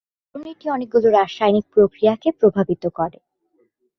এর কারণ এটি অনেকগুলি রাসায়নিক প্রক্রিয়াকে প্রভাবিত করে।